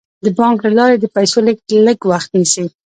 د بانک له لارې د پيسو لیږد لږ وخت نیسي.